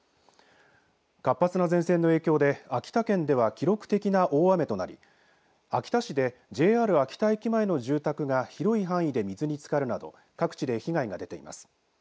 活発な前線の影響で秋田県では記録的な大雨となり秋田市でＪＲ秋田駅前の住宅が広い範囲で水につかるなど各地で被害が出ています。